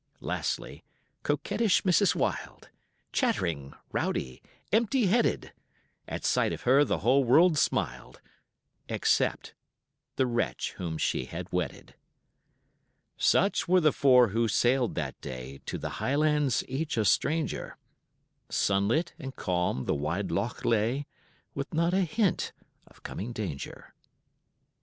Lastly coquettish Mrs. Wild, Chattering, rowdy, empty headed; At sight of her the whole world smiled, Except the wretch whom she had wedded. Such were the four who sailed that day, To the Highlands each a stranger; Sunlit and calm the wide loch lay, With not a hint of coming danger.